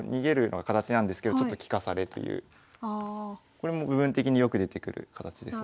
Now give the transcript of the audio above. これも部分的によく出てくる形ですね。